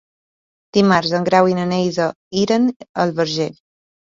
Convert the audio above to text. Dimarts en Grau i na Neida iran al Verger.